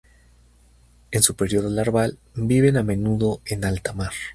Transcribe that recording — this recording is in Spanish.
En su periodo larval viven a menudo en alta mar.